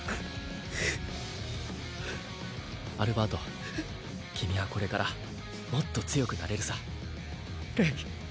アルバート君はこれからもっと強くなれるさレイ